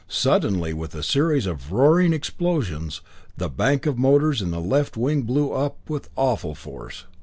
Suddenly, with a series of roaring explosions, the bank of motors in the left wing blew up with awful force.